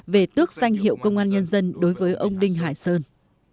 về tước danh hiệu công an nhân dân đối với ông đinh hải sơn